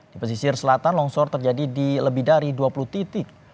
di pesisir selatan longsor terjadi di lebih dari dua puluh titik